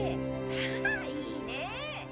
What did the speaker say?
あぁいいね。